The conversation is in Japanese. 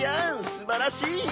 すばらしい！